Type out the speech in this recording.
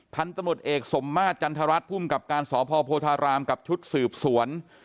พันธุ์ตมุทรเอกสมมาจจันทรัสพุ่มกับการสอบพ่อโพธารามกับชุดสืบสวน